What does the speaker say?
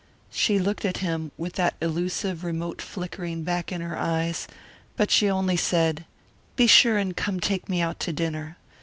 She looked at him, with that elusive, remote flickering back in her eyes, but she only said, "Be sure and come take me out to dinner.